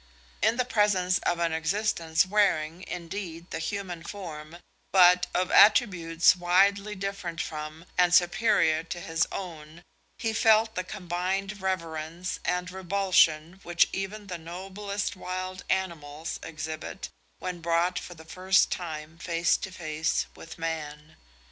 In the presence of an existence wearing, indeed, the human form, but of attributes widely different from and superior to his own, he felt the combined reverence and revulsion which even the noblest wild animals exhibit when brought for the first time face to face with man.